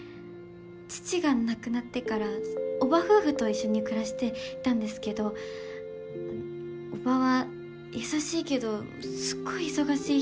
父が亡くなってから叔母夫婦と一緒に暮らしていたんですけど叔母は優しいけどすっごい忙しい人で。